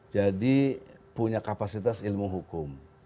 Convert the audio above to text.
punya kapasitas ilmu hukum